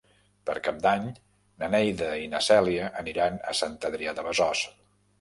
Per Cap d'Any na Neida i na Cèlia aniran a Sant Adrià de Besòs.